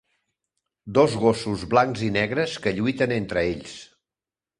dos gossos blancs i negres que lluiten entre ells